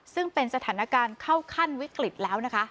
ซึ่งเป็นสถานการณ์เข้าขั้นวิกฤตแล้วนะคะ